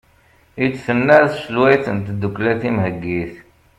i d-tenna tselwayt n tddukkla timheggit